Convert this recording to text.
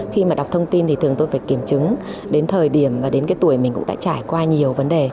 khi mà đọc thông tin thì thường tôi phải kiểm chứng đến thời điểm và đến cái tuổi mình cũng đã trải qua nhiều vấn đề